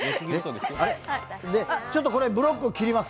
ちょっとブロック切ります。